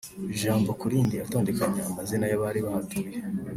ijambo ku rindi atondekanya amazina y’abari bahatuye